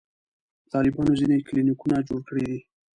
طالبانو ځینې کلینیکونه جوړ کړي دي.